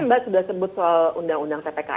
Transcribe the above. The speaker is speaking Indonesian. mbak sudah sebut soal undang undang tpkn